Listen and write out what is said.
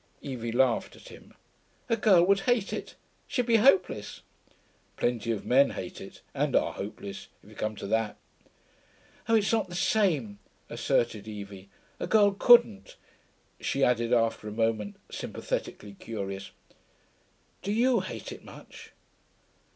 Evie laughed at him. 'A girl would hate it. She'd be hopeless.' 'Plenty of men hate it and are hopeless, if you come to that.' 'Oh, it's not the same,' asserted Evie. 'A girl couldn't.' She added, after a moment, sympathetically curious, 'Do you hate it much?'